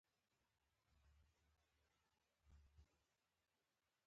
په خصوصي توګه د قلندر مومند